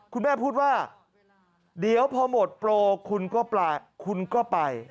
คุณแม่พูดว่าเดี๋ยวพอหมดโปรคุณก็ไปคุณก็ไป